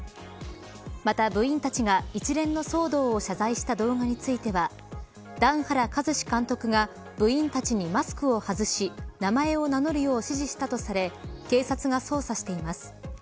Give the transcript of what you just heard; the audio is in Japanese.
また、部員たちが一連の騒動を謝罪した動画については段原一詞監督が部員たちにマスクを外し名前を名乗るよう指示したとされ警察が捜査しています。